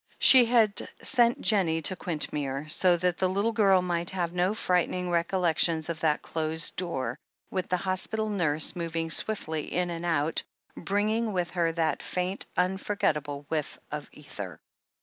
She had sent Jennie to Quintmere, so that the little girl might have no frightening recollections of that closed door, with the hospital nurse moving swiftly in and out, bringing with her that faint, unforgettable whiff of ether.